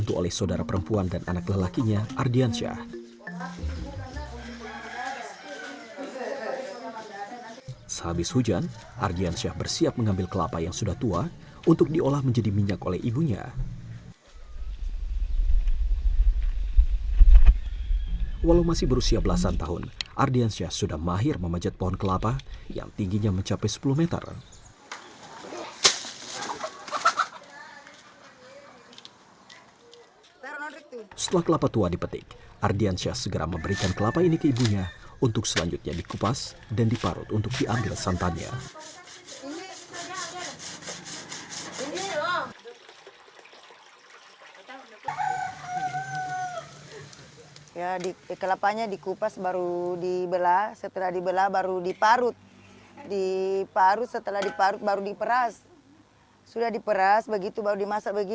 terima kasih telah menonton youtube